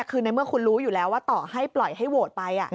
คือในเมื่อคุณรู้อยู่แล้วว่าต่อให้ปล่อยให้โหวตไป